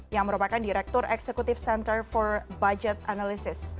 yang merupakan direktur eksekutif center for budget analysis